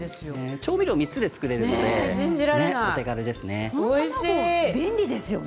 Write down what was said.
調味料３つで作れるのでお手軽ですね。